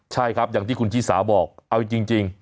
ใช่ครับอย่างที่คุณชิสาบอกเอาจริง